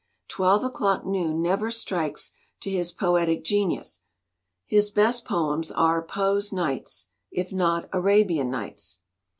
Twelve o'clock noon never strikes to his poetic genius. His best poems are Poe's Nights, if not Arabian Nights.